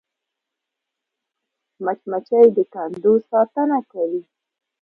مچمچۍ د کندو ساتنه کوي